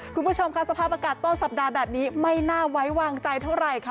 คุณผู้ชมค่ะสภาพอากาศต้นสัปดาห์แบบนี้ไม่น่าไว้วางใจเท่าไหร่ค่ะ